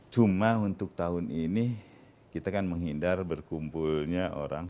cuma untuk tahun ini kita kan menghindar berkumpulnya orang